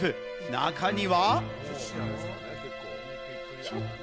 中には。